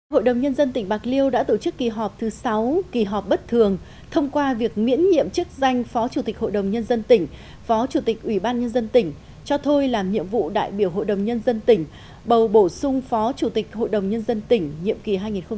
hội đồng nhân dân tỉnh bạc liêu đã tổ chức kỳ họp thứ sáu kỳ họp bất thường thông qua việc miễn nhiệm chức danh phó chủ tịch hội đồng nhân dân tỉnh phó chủ tịch ủy ban nhân dân tỉnh cho thôi làm nhiệm vụ đại biểu hội đồng nhân dân tỉnh bầu bổ sung phó chủ tịch hội đồng nhân dân tỉnh nhiệm kỳ hai nghìn một mươi sáu hai nghìn hai mươi sáu